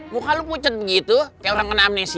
muka lu pucet begitu kayak orang kena amnesi